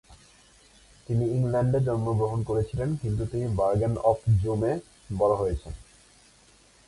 তিনি ইংল্যান্ডে জন্মগ্রহণ করেছিলেন কিন্তু তিনি বার্গেন অপ জুমে বড় হয়েছেন।